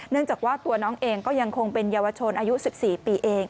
จากว่าตัวน้องเองก็ยังคงเป็นเยาวชนอายุ๑๔ปีเอง